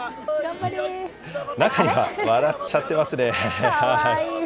中には、笑っちゃってますね。